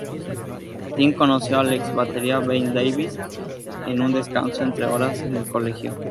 Tim conoció al ex-batería Ben Davis en un descanso entre horas en el colegio.